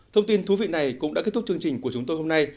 thông tin thú vị này cũng đã kết thúc chương trình của chúng tôi hôm nay